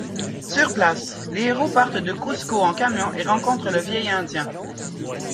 Sur place, les héros partent de Cuzco en camion et rencontrent le vieil Indien.